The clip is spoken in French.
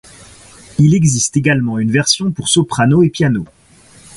Il existe également une version pour soprano et piano.